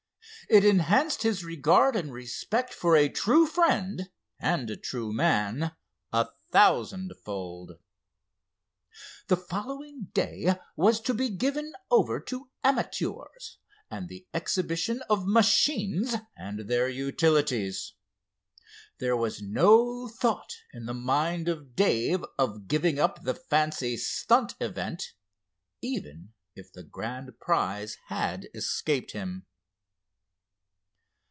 It enhanced his regard and respect for a true friend and a true man a thousand fold. The following day was to be given over to amateurs, and the exhibition of machines and their utilities. There was no thought in the mind of Dave of giving up the fancy stunt event, even if the grand prize had escaped him.